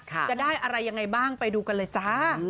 จะได้อะไรยังไงบ้างไปดูกันเลยจ้า